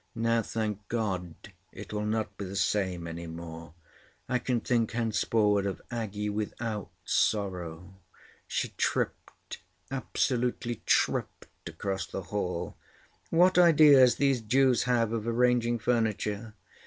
Now, thank God, it will not be the same any more. I can think henceforward of Aggie without sorrow." She tripped, absolutely tripped, across the hall. "What ideas these Jews have of arranging furniture!"